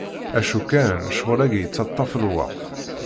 Acu kan, ccɣel-agi yettaṭṭaf lweqt.